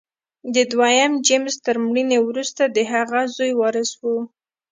د دویم جېمز تر مړینې وروسته د هغه زوی وارث و.